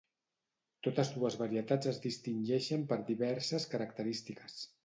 Totes dues varietats es distingeixen per diverses característiques.